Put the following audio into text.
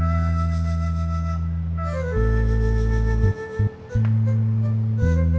umur terpaksa luni